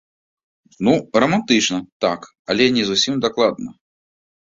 Ну, рамантычна, так, але не зусім дакладна.